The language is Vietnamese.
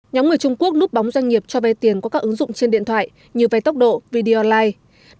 nhóm người trung quốc núp bóng doanh nghiệp cho vai tiền có các ứng dụng trên điện thoại như vai tốc độ video online